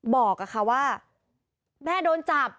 บอกค่ะว่าแม่โดนจับ